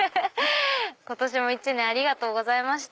今年もありがとうございました。